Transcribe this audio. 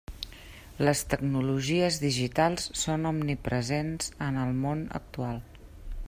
Les tecnologies digitals són omnipresents en el món actual.